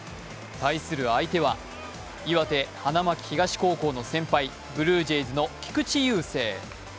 対する相手は岩手・花巻東高校の先輩、ブルージェイズの菊池雄星。